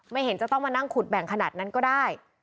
เห็นจะต้องมานั่งขุดแบ่งขนาดนั้นก็ได้